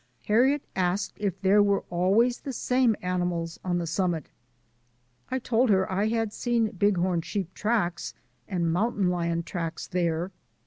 Harriet asked if there were always the same animals on the summit. I told her I had seen Bighorn sheep tracks and mountain lion tracks there.